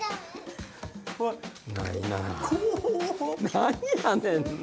何やねんな。